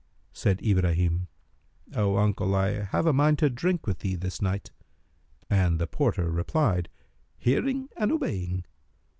Said Ibrahim, "O uncle, I have a mind to drink with thee this night;" and the porter replied, "Hearing and obeying!"